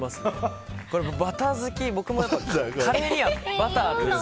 バター好きは僕もカレーにはバターが。